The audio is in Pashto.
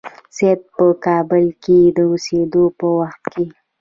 سید په کابل کې د اوسېدلو په وخت کې.